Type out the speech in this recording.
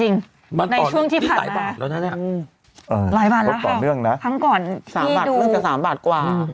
ในช่วงที่ผ่านแล้วหลายบาทแล้วค่ะทั้งก่อนที่ดูอเจมส์๓บาทขึ้นกับ๓บาทกว่า